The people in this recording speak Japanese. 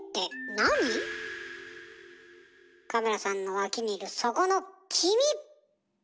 カメラさんの脇にいるそこの君！